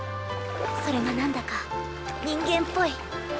それが何だか人間っぽい。